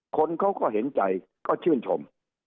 คนเขาก็เห็นใจก็ชื่นชม